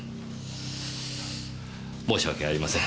申し訳ありません。